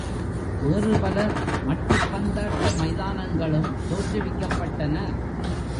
வேறு பல மட்டைப் பந்தாட்ட மைதானங்களும் தோற்றுவிக்கப்பட்டன.